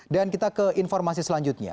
dan kita ke informasi selanjutnya